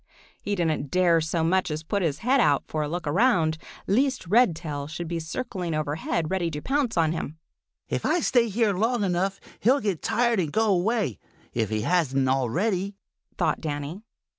He didn't dare so much as put his head out for a look around, lest Redtail should be circling overhead ready to pounce on him. "If I stay here long enough, he'll get tired and go away, if he hasn't already," thought Danny.